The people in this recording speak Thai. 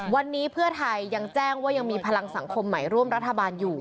วันนี้เพื่อไทยยังแจ้งว่ายังมีพลังสังคมใหม่ร่วมรัฐบาลอยู่